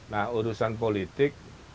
nah urusan politik